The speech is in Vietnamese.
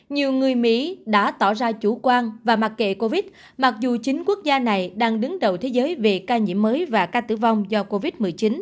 nhiều người mỹ đã tỏ ra chủ quan và mặc kệ covid mặc dù chính quốc gia này đang đứng đầu thế giới về ca nhiễm mới và ca tử vong do covid một mươi chín